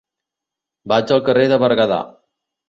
Vaig al carrer de Berguedà.